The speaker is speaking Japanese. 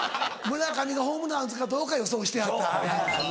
村上がホームラン打つかどうか予想してはった。